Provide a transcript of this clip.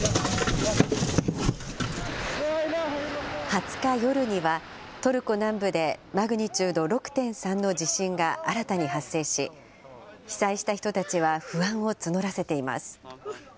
２０日夜には、トルコ南部でマグニチュード６．３の地震が新たに発生し、被災した人たちは不安を募らせています。